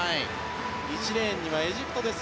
１レーンにはエジプトです